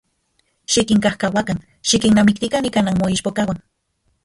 Xikinkajkauakan, xikinnamiktikan ika nanmoichpokauan.